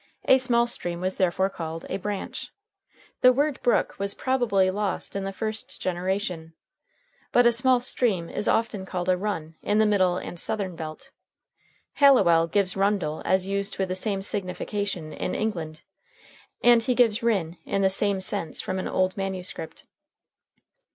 A small stream was therefore called a branch. The word brook was probably lost in the first generation. But a small stream is often called a run in the Middle and Southern belt. Halliwell gives rundel as used with the same signification in England, and he gives ryn in the same sense from an old manuscript.